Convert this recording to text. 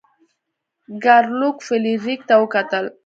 ګارلوک فلیریک ته وکتل.